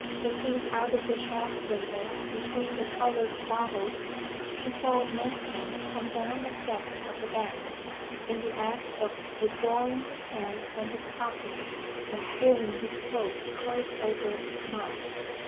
Looking out of the shop window, between the coloured bottles, she saw Manston come down the steps of the bank, in the act of withdrawing his hand from his pocket, and pulling his coat close over its mouth.